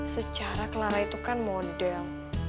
secara kelara itu kan model